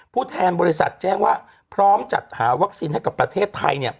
ผู้แทนบริษัทแจ้งว่าพร้อมจัดหาวัคซีนให้กับประเทศไทย